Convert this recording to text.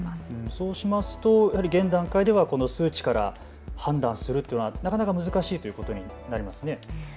そうすると現段階ではこの数値から判断するというのはなかなか難しいということになりますね。